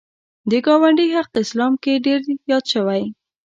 د ګاونډي حق اسلام کې ډېر یاد شوی